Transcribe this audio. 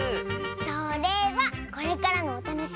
それはこれからのおたのしみ！